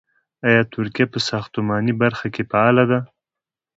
آیا ترکیه په ساختماني برخه کې فعاله ده؟